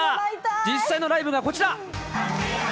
実際のライブがこちら。